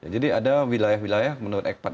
jadi ada wilayah wilayah menurut ekpat